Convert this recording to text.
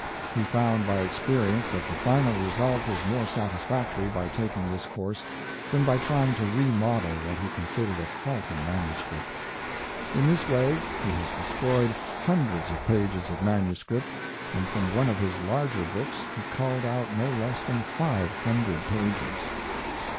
He found by ex perience that the final result was more satisfactory by taking this course, than by trying to remodel what he considered a faulty manuscript. In this way he has destroyed hundreds of pages of manu script, and from one of his larger books he culled out no less than five hundred pages.